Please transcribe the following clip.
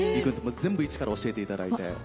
全部一から教えていただいて。